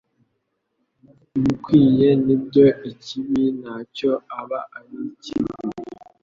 Ibikwiye nibyo Ikibi nacyo aba ari kibi